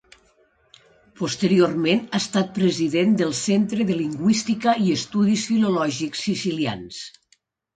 Posteriorment ha estat president del Centre de Lingüística i Estudis Filològics Sicilians.